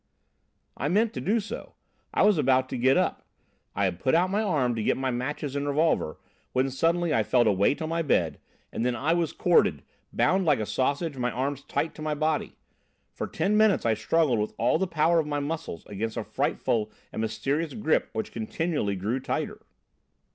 "I meant to do so, I was about to get up. I had put out my arm to get my matches and revolver, when suddenly I felt a weight on my bed and then I was corded, bound like a sausage, my arms tight to my body! For ten minutes I struggled with all the power of my muscles against a frightful and mysterious grip which continually grew tighter."